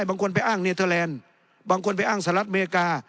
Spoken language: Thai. บางคนไปอ้างเนเทอร์แลนด์บางคนไปอ้างสหรัฐอเมริกา